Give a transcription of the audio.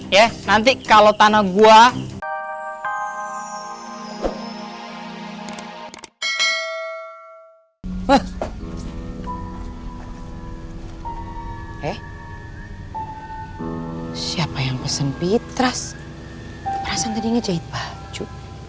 ya nanti kalau tanah gua eh siapa yang pesen fitras perasan tadi ngejahit baju